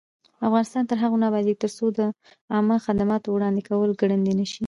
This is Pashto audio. افغانستان تر هغو نه ابادیږي، ترڅو د عامه خدماتو وړاندې کول ګړندی نشي.